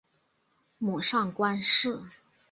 母上官氏。